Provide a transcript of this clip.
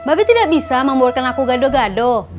mbak be tidak bisa membuatkan aku gado gado